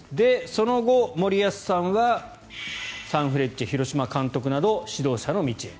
その後、森保さんはサンフレッチェ広島監督など指導者の道へ。